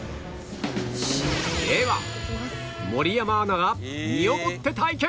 では森山アナが身をもって体験